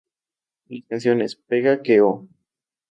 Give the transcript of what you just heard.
Las canciones "Pega que oh!